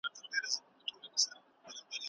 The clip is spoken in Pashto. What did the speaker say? ښوونکي وویل چي نظم مهم دی.